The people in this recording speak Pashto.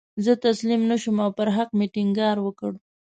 زه تسلیم نه شوم او پر حق مې ټینګار وکړ.